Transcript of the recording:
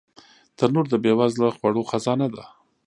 تنور د بې وزله خوړو خزانه ده